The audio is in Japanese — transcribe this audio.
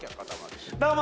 どうも。